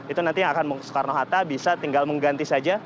itu nanti yang akan soekarno hatta bisa tinggal mengganti saja